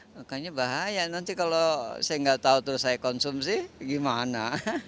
makanya bahaya nanti kalau saya nggak tahu terus saya konsumsi gimana